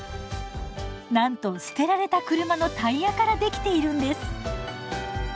なんと捨てられた車のタイヤからできているんです！